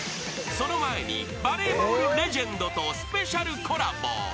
［その前にバレーボールレジェンドとスペシャルコラボ］